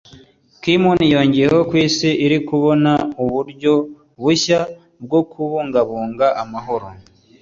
Ki-moon yongeyeho ko isi iri kubona uburyo bushya bwo kubungabunga amahoro